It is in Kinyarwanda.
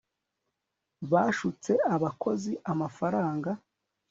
bashutse abakozi amafaranga